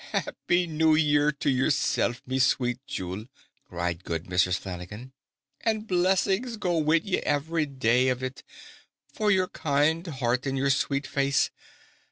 "Happy New Year to yersilf, me sweet jewel!" cried good Mrs. Flanagan. "And blessings go wid every day of it, for your kind heart and your sweet face.